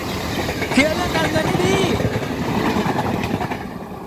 เคลียร์เรื่องการเงินให้ดี